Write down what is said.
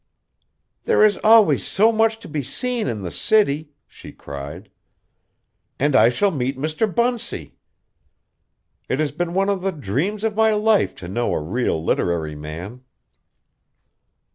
"There is always so much to be seen in the city," she cried, "and I shall meet Mr. Bunsey. It has been one of the dreams of my life to know a real literary man."